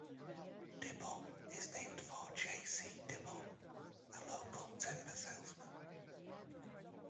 Diboll is named for J. C. Diboll, a local timber salesman.